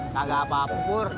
gak apa apa pur